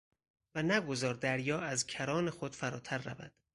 و نگذار دریا از کران خود فراتر رود.